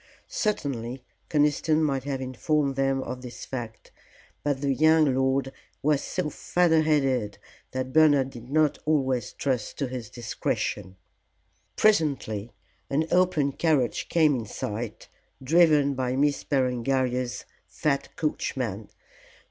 Certainly Conniston might have informed them of this fact; but the young lord was so feather headed that Bernard did not always trust to his discretion. Presently an open carriage came in sight driven by Miss Berengaria's fat coachman.